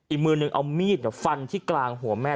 อีกมือนึงเอามีดฟันที่กลางหัวแม่